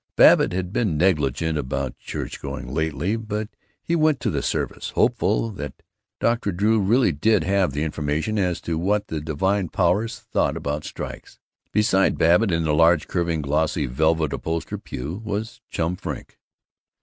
Babbitt had been negligent about church going lately, but he went to the service, hopeful that Dr. Drew really did have the information as to what the divine powers thought about strikes. Beside Babbitt in the large, curving, glossy, velvet upholstered pew was Chum Frink.